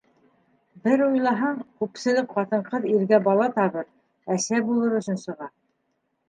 Бер уйлаһаң, күпселек ҡатын-ҡыҙ иргә бала табыр, әсә булыр өсөн сыға.